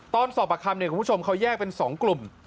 ตอนสอบประคัมคุณผู้ชมเขาแยกเป็น๒กลุ่ม